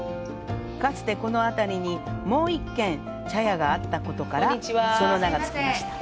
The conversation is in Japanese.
かつて、この辺りにもう１軒、茶屋があったことから、その名がつきました。